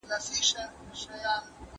ترجمان القرآن